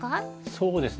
そうですね